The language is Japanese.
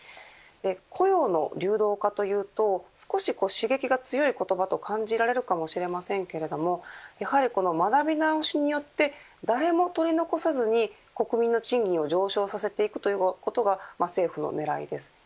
雇用の流動化というと少し刺激が強い言葉と感じられるかもしれませんがやはり、この学び直しによって誰もとり残さずに国民の賃金を上昇させていくということが政府の狙いです。